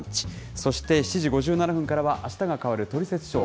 そして７時５７分からは、あしたが変わるトリセツショー。